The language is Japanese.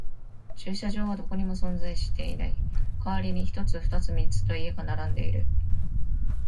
駐車場はどこにも存在していない。代わりに一つ、二つ、三つと家が並んでいる。